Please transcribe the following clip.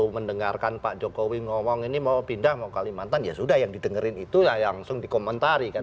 wacana ini akan segera dilakukan